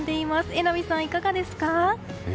榎並さん、いかがですか？